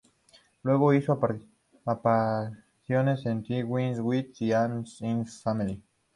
Luego, hizo apariciones en "The Wild Wild West" y en "All in the Family".